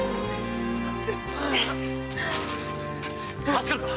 助かるか？